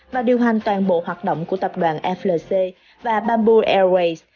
và điều hành toàn bộ hoạt động của tập đoàn flc và bamboo airways